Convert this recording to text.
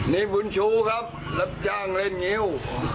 นี่บุญชูครับรับจ้างเล่นงิ้ว